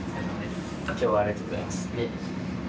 今日はありがとうございます。